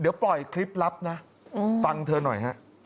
เดี๋ยวปล่อยคลิปลับนะฟังเธอหน่อยฮะ